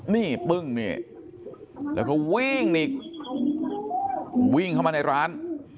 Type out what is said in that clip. นี่ปึ้งนี่แล้วก็วิ่งอีกวิ่งเข้ามาในร้าน